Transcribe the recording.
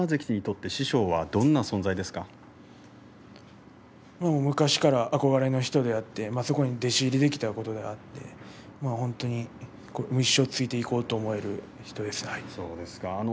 豪ノ山関にとって師匠は昔から憧れの人でそこに弟子入りできたことで一生ついていこうと思える人です。